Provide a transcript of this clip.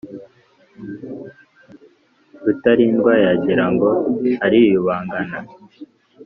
Rutalindwa yagira ngo ariyubangana